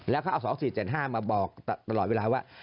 แล้วเขาเอา๒๔๗๕มาบอกตลอดเวลาว่า